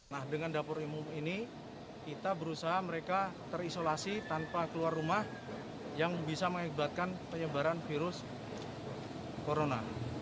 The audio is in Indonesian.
nah dengan dapur umum ini kita berusaha mereka terisolasi tanpa keluar rumah yang bisa mengakibatkan penyebaran virus corona